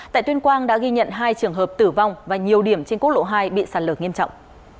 tại tuyên quang đã ghi nhận hai trường hợp tử vong và nhiều điểm trên quốc lộ hai bị sạt lở nghiêm trọng